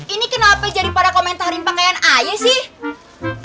ini kenapa jadi para komentarin pakaian ayah sih